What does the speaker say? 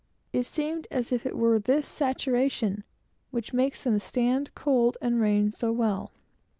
It seems as if it were this saturation which makes them stand cold and rain so well.